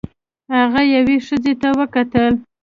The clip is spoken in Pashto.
هغه یوې ښځې ته وکتل.